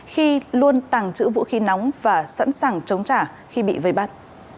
khi luôn tàng trữ vũ khí nóng và sẵn sàng chống trả khi bị vây bắt